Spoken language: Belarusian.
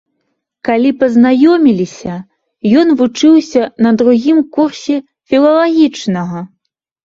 Калі пазнаёміліся, ён вучыўся на другім курсе філалагічнага.